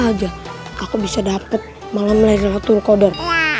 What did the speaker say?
aja aku bisa dapet malam laylatul qadar